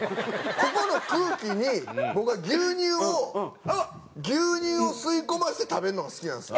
ここの空気に僕は牛乳を牛乳を吸い込ませて食べるのが好きなんです。